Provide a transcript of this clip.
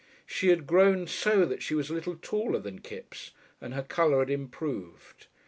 She had grown so that she was a little taller than Kipps, and her colour had improved.